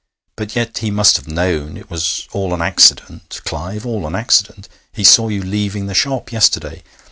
But yet he must have known.... It was all an accident, Clive all an accident. He saw you leaving the shop yesterday.